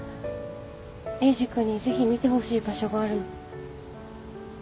エイジ君にぜひ見てほしい場所があるの。